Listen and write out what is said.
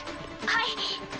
はい。